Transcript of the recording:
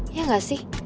iya gak sih